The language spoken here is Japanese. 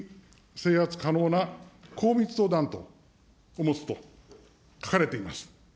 制圧可能な高密度弾頭を持つと書かれています。